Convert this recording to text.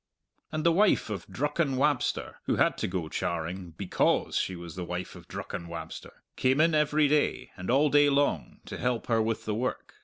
And the wife of Drucken Wabster who had to go charing because she was the wife of Drucken Wabster came in every day, and all day long, to help her with the work.